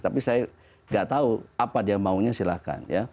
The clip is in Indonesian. tapi saya nggak tahu apa dia maunya silahkan ya